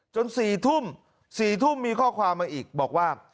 ๔ทุ่ม๔ทุ่มมีข้อความมาอีกบอกว่า